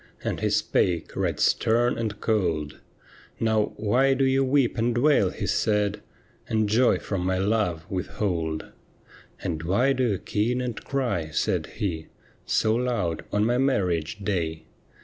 And he spake right stern and cold : 'Now, why do you weep and wail,' he said, ' And joy from my love withhold ?' And why do you keen and cry,' said he, ' So loud on my marriage day